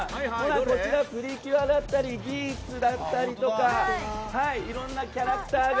こちら、「プリキュア」だったり「ギーツ」だったりのいろんなキャラクターが。